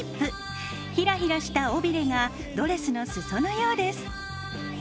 ひらひらした尾びれがドレスの裾のようです。